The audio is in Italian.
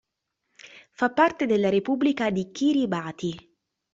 Fa parte della Repubblica di Kiribati.